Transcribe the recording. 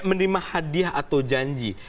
menerima hadiah atau janji